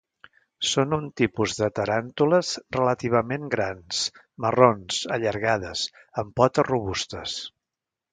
Són un tipus de taràntules relativament grans, marrons, allargades, amb potes robustes.